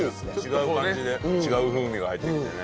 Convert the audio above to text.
違う感じで違う風味が入ってきてね。